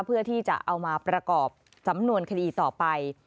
เพื่อที่จะเอามาประกอบสำนวนคดีต่อไป